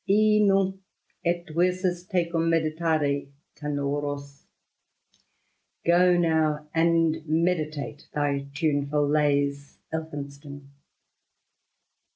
Inune, et versus tecum meditare canorosJ* « Go now, and meditate thy tuneful lays." Elphinstoh.